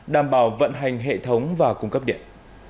đảm bảo vận hành hệ thống và cung cấp điện